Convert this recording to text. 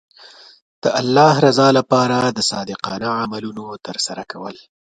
د الله رضا لپاره د صادقانه عملونو ترسره کول.